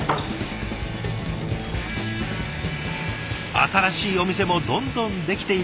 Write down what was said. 新しいお店もどんどんできている。